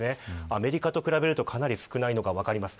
アメリカと比べるとかなり少ないのが分かります。